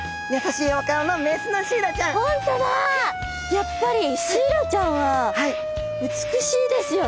やっぱりシイラちゃんは美しいですよね。